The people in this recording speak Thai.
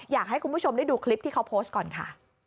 อยากให้คุณผู้ชมได้ดูคลิปที่เขาโพสต์ก่อนค่ะ